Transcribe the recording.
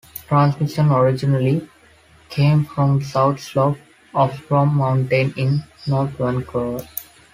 Transmissions originally came from the south slope of Fromme Mountain in North Vancouver.